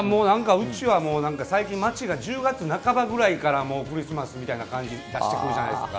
うちは、最近街が１０月半ばくらいからクリスマスみたいな感じ出してくるじゃないですか。